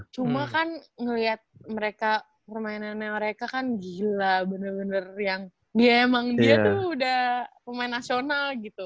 cuma kan ngeliat mereka permainannya mereka kan gila bener bener yang dia emang dia tuh udah pemain nasional gitu